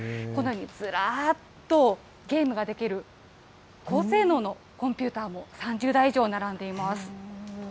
このようにずらっとゲームができる高性能のコンピューターも３０台以上並んでいます。